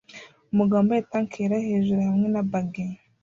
Umugabo wambaye tank yera hejuru hamwe na baggy